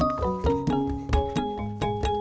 iya seperti itu